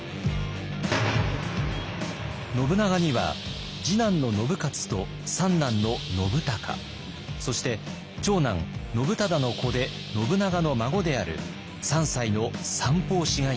信長には次男の信雄と三男の信孝そして長男信忠の子で信長の孫である３歳の三法師がいました。